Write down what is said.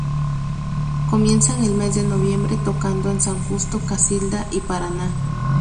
Comienzan el mes de noviembre tocando en San Justo, Casilda y Paraná.